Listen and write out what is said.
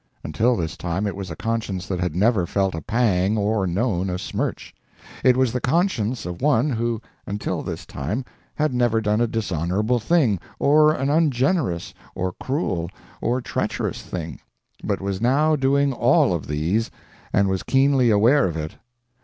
Until this time it was a conscience that had never felt a pang or known a smirch. It was the conscience of one who, until this time, had never done a dishonorable thing, or an ungenerous, or cruel, or treacherous thing, but was now doing all of these, and was keenly aware of it.